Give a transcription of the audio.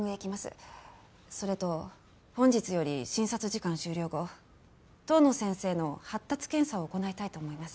それと本日より診察時間終了後遠野先生の発達検査を行いたいと思います。